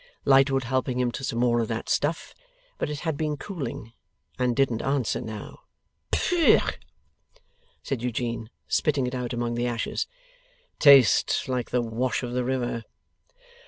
Lightwood helped him to some more of that stuff, but it had been cooling, and didn't answer now. 'Pooh,' said Eugene, spitting it out among the ashes. 'Tastes like the wash of the river.